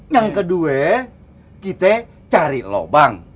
yang kedua kita cari lubang